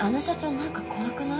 何か怖くない？